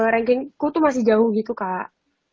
rankingku tuh masih jauh gitu kak